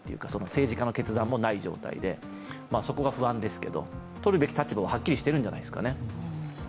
政治家の決断もない状態でそこが不安ですけどとるべき立場は、はっきりしているんじゃないですかね。